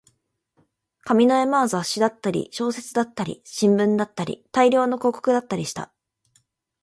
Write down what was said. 紙の山は雑誌だったり、小説だったり、新聞だったり、大量の広告だったりした